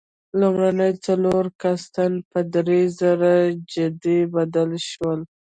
لومړني څلور کاستان په درېزره جتي بدل شول.